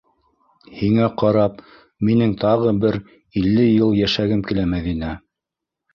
Һиңә ҡарап, минең тағы бер илле йыл йәшәгем килә, Мәҙинә!